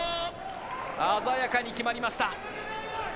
鮮やかに決まりました。